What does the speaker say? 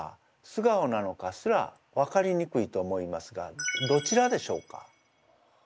素顔なのかすらわかりにくいと思いますがどちらでしょうか？